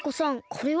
これは？